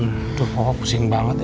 aduh papa pusing banget ya